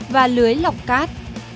và lưới lọc cát